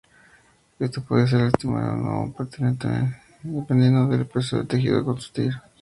Esta puede ser laminar o penetrante dependiendo del espesor de tejido a sustituir.